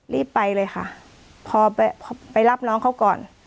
รีบไปเลยค่ะพอไปรับน้องเขาก่อน